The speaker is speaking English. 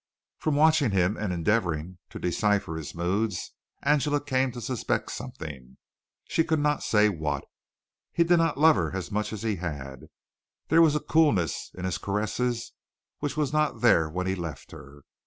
From watching him and endeavoring to decipher his moods, Angela came to suspect something she could not say what. He did not love her as much as he had. There was a coolness in his caresses which was not there when he left her.